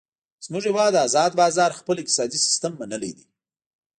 زمونږ هیواد ازاد بازار خپل اقتصادي سیستم منلی دی.